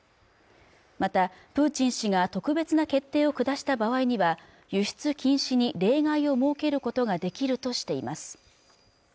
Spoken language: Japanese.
またプーチン氏が特別な決定を下した場合には輸出禁止に例外を設けることができるとしています